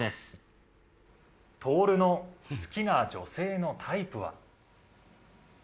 ・とおるの好きな女性のタイプは？